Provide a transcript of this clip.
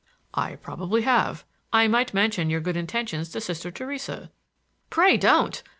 "I probably have. I might mention your good intentions to Sister Theresa." "Pray don't.